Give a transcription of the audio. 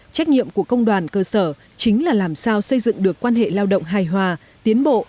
trách nhiệm của công đoàn cơ sở chính là làm sao xây dựng được quan hệ lao động hài hòa tiến bộ